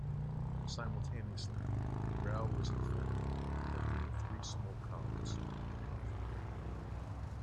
Simultaneously, Grau was informed that there were three smoke columns to north.